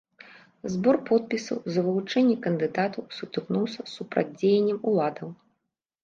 Збор подпісаў за вылучэнне кандыдатаў сутыкнуўся з супрацьдзеяннем уладаў.